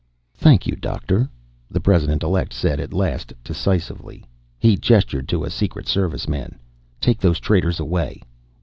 "Thank you, Doctor," the President Elect said at last, decisively. He gestured to a Secret Serviceman. "Take those traitors away."